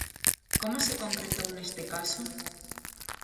Como se concretou neste caso?